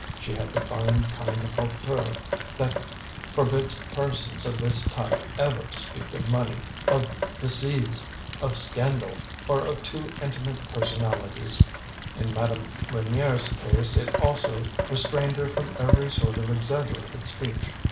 She had the fine kind of hauteur which forbids persons of this type ever to speak of money, of disease, of scandal, or of too intimate personalities; in Madame Reynier's case it also restrained her from every sort of exaggerated speech.